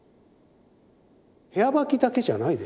部屋履きだけじゃないでしょ。